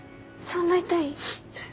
そんな痛い？